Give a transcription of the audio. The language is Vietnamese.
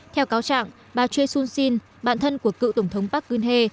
theo cáo trạng bà choi su jin bạn thân của cựu tổng thống park geun hye